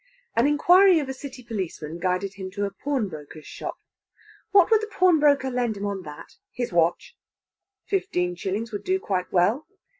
An inquiry of a City policeman guided him to a pawnbroker's shop. What would the pawnbroker lend him on that his watch? Fifteen shillings would do quite well.